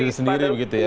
berdiri sendiri begitu ya